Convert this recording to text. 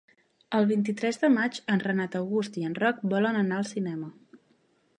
El vint-i-tres de maig en Renat August i en Roc volen anar al cinema.